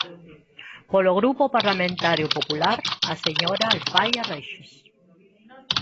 Polo Grupo Parlamentario Popular, a señora Alfaia Rexes.